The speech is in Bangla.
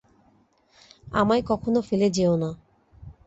আমায় কখনো ফেলে যেওনা।